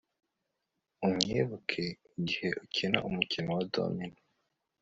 unyibuke mugihe ukina umukino wa domino